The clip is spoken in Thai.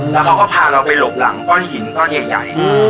แล้วเขาก็พาเราไปหลบหลังก้อนหินก้อนใหญ่